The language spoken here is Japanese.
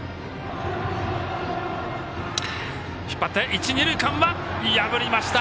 一、二塁間は破りました。